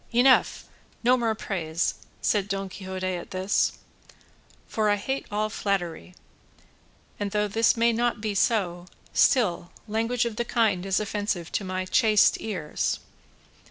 "Enough; no more praise," said Don Quixote at this, "for I hate all flattery; and though this may not be so, still language of the kind is offensive to my chaste ears.